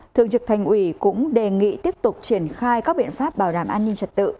thường trực thành ủy cũng đề nghị tiếp tục triển khai các biện pháp bảo đảm an ninh trật tự